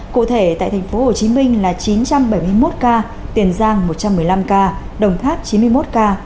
cụ thể tại tp hcm là chín trăm bảy mươi một ca tiền giang một trăm một mươi năm ca đồng tháp chín mươi một ca